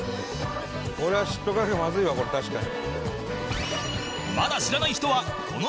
これは知っとかなきゃまずいわこれ確かに。